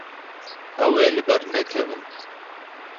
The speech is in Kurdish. Ew ê li ber nekevin.